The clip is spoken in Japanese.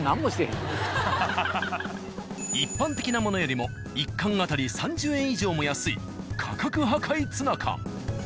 一般的なものよりも１缶当たり３０円以上も安い価格破壊ツナ缶。